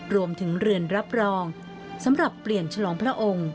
เรือนรับรองสำหรับเปลี่ยนฉลองพระองค์